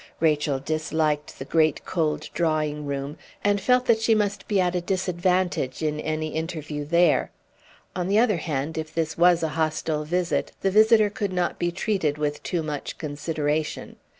Rachel disliked the great cold drawing room, and felt that she must be at a disadvantage in any interview there. On the other hand, if this was a hostile visit, the visitor could not be treated with too much consideration.